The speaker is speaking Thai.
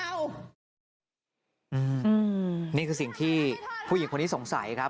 นี่คือสิ่งที่ผู้หญิงคนนี้สงสัยครับ